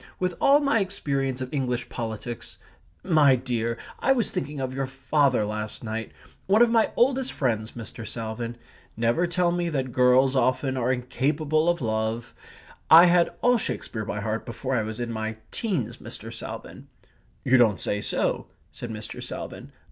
With all my experience of English politics My dear, I was thinking of your father last night one of my oldest friends, Mr. Salvin. Never tell me that girls often are incapable of love! I had all Shakespeare by heart before I was in my teens, Mr. Salvin!" "You don't say so," said Mr. Salvin.